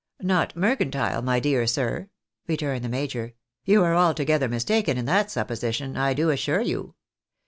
" Not mercantile, my dear sir ?" returned the major ;" you are altogether mistaken in that supposition, I do assure you.